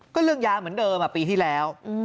ก็เรื่องยาเหมือนเดิมปีที่แล้ว